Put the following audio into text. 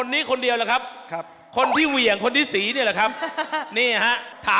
นี่นะครับขอแรงมา